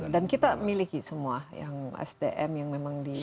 dan kita miliki semua yang sdm yang memang dihubungkan